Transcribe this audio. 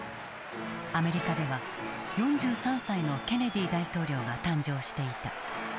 アメリカでは４３歳のケネディ大統領が誕生していた。